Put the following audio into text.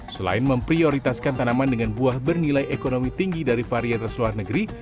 selain memprioritaskan tanaman dengan buah bernilai ekonomi tinggi dari varietas luar negeri